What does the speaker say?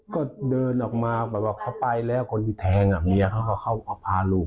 ก็เดินออกมาเขาไปแล้วคนที่แทงอาบเนี้ยเขาเอาพาลูก